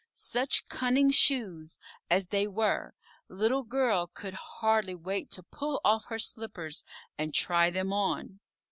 Such cunning Shoes as they were Little Girl could hardly wait to pull off her slippers and try them on.